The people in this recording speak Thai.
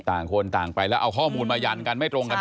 ต่างคนต่างไปแล้วเอาข้อมูลมายันกันไม่ตรงกัน